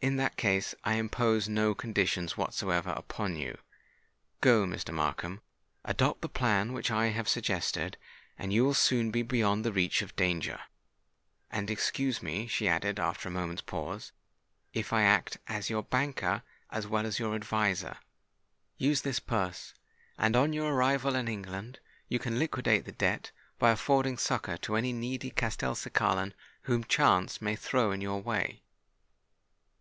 "In that case, I impose no conditions whatsoever upon you. Go, Mr. Markham—adopt the plan which I have suggested—and you will soon be beyond the reach of danger. And excuse me," she added, after a moment's pause, "if I act as your banker, as well as your adviser. Use this purse; and, on your arrival in England, you can liquidate the debt by affording succour to any needy Castelcicalan whom chance may throw in your way."